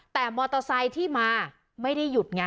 แต่มอเตอร์ไซค์ที่มาไม่ได้หยุดไง